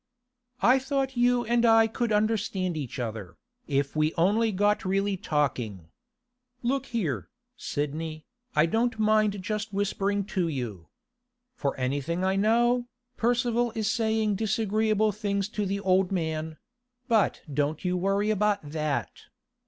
I thought you and I could understand each other, if we only got really talking. Look here, Sidney; I don't mind just whispering to you. For anything I know, Percival is saying disagreeable things to the old man; but don't you worry about that.